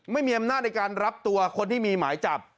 ไม่มีอำนาจในการรับตัวคนที่มีหมายจับ